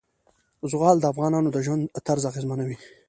زغال د افغانانو د ژوند طرز اغېزمنوي.